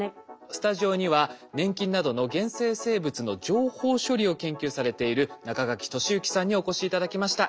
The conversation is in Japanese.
スタジオには粘菌などの原生生物の情報処理を研究されている中垣俊之さんにお越し頂きました。